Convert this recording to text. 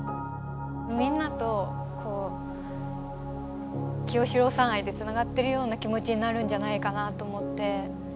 みんなとこう清志郎さん愛でつながってるような気持ちになるんじゃないかなと思って。